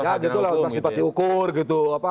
ya gitu lah harus dipati ukur gitu